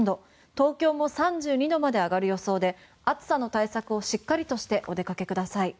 東京も３２度まで上がる予想で暑さの対策をしっかりとしてお出かけください。